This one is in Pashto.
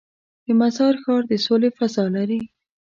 د مزار ښار د سولې فضا لري.